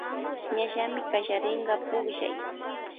Ñallamy kallarinka pullay.